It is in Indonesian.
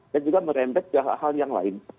dan juga merembet hal hal yang lain